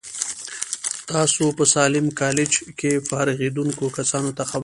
تاسې په ساليم کالج کې فارغېدونکو کسانو ته خبرې وکړې.